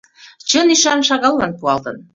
— Чын ӱшан шагаллан пуалтын.